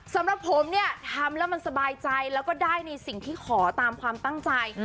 สำหรับผมเนี่ยทำแล้วมันสบายใจแล้วก็ได้ในสิ่งที่ขอตามความตั้งใจ